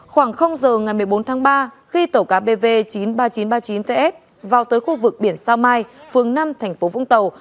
khoảng giờ ngày một mươi bốn tháng ba khi tàu cá bv chín mươi ba nghìn chín trăm ba mươi chín ts vào tới khu vực biển sao mai phường năm thành phố vũng tàu